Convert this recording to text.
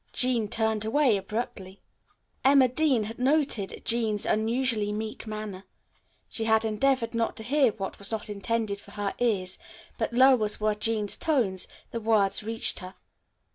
Jean turned away abruptly. Emma Dean had noted Jean's unusually meek manner. She had endeavored not to hear what was not intended for her ears, but low as were Jean's tones, the words reached her.